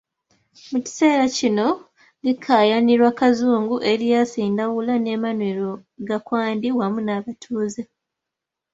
Mu kiseera kino likaayanirwa Kazungu, Erias Ndawula ne Emmanuel Gakwandi wamu n'abatuuze.